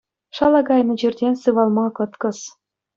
Шала кайнӑ чиртен сывалма кӑткӑс.